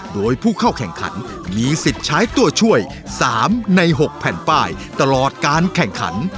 โดยผู้เข้าแข่งขันมีสิทธิ์ใช้ตัวช่วย๓ใน๖แผ่นป้ายตลอดการแข่งขัน